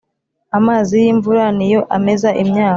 amazi y’imvura ni yo ameza imyaka